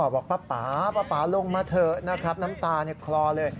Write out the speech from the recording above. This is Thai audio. บอกป๊าป๊าป๊าป๊าลงมาเถอะนะครับน้ำตาเนี่ยคลอเลย